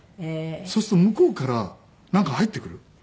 そうすると向こうからなんか入ってくる。